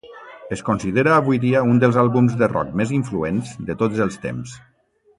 Es considera avui dia un dels àlbums de rock més influents de tots els temps.